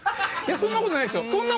いやそんなことないですよ！